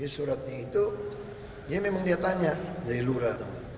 suratnya itu dia memang dia tanya dari lurah